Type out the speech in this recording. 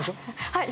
はい。